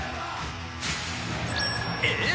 えっ？